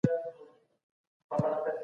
څنګه دا سازمان د سولي لپاره کار کوي؟